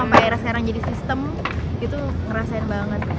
sampai era sekarang jadi sistem itu ngerasain banget